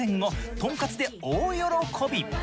とんかつで大喜び。